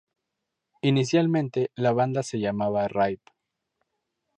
Inicialmente la banda se llamaba Ripe.